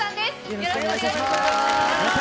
よろしくお願いします！